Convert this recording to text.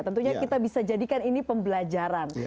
tentunya kita bisa jadikan ini pembelajaran